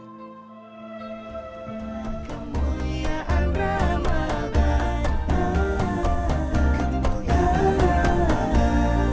amin amin ya roh bal alamin